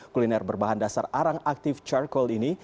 kuliner berbahan dasar arang aktif charcoal ini